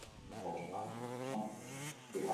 雪下红为报春花科紫金牛属下的一个种。